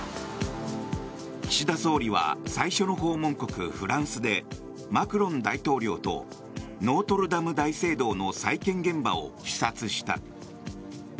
岸田総理は最初の訪問国、フランスでマクロン大統領とノートルダム大聖堂の再建現場を視察した。